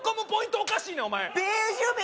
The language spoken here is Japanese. おかしいねん、お前！